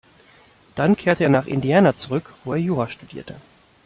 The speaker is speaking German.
Dann kehrte er nach Indiana zurück, wo er Jura studierte.